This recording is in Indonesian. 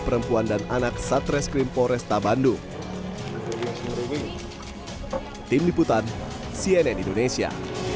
perempuan dan anak satreskrim poresta bandung tim liputan cnn indonesia